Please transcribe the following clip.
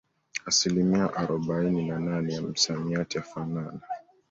Asilimia arobaini na nane ya misamiati yafanana